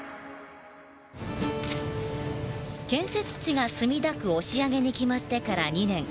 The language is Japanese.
建設地が墨田区押上に決まってから２年。